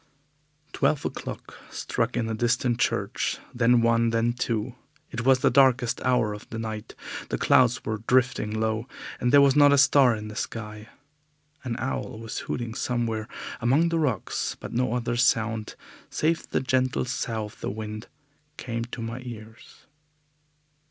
Twelve o'clock struck in the distant church, then one, then two. It was the darkest hour of the night. The clouds were drifting low, and there was not a star in the sky. An owl was hooting somewhere among the rocks, but no other sound, save the gentle sough of the wind, came to my ears.